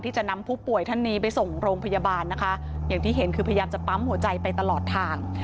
จะนำผู้ป่วยท่านนี้ไปส่งโรงพยาบาลนะคะอย่างที่เห็นคือพยายามจะปั๊มหัวใจไปตลอดทาง